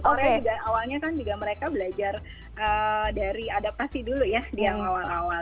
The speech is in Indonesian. karena awalnya kan juga mereka belajar dari adaptasi dulu ya di awal awal